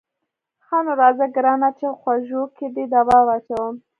ښه نو راځه ګرانه چې غوږو کې دې دوا واچوم.